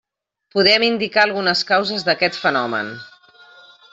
Podem indicar algunes causes d'aquest fenomen.